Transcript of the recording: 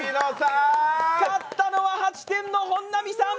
勝ったのは８点の本並さん。